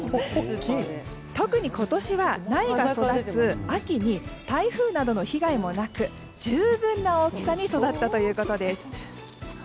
特に今年は苗が育つ秋に台風などの被害もなく十分な大きさに育ったということです。